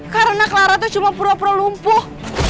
karena clara tuh cuma pura pura lumpuh